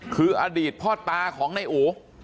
คืออดีตพ่อตาของนายอู